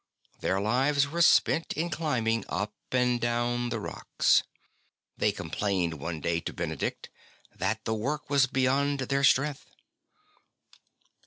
Their lives were spent in climbing up and down the rocks. They com plained one day to Benedict, that the work was beyond their strength.